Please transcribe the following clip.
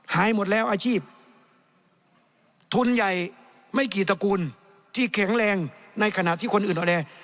หายหมดแล้วอาชีพทุนใหญ่ไม่กี่ตระกูลที่แข็งแรงในขณะที่คนอื่นอ่อนแอ